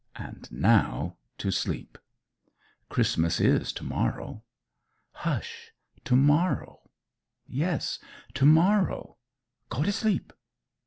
And now to sleep. Christmas is to morrow. Hush! To morrow. Yes; to morrow. Go t' sleep!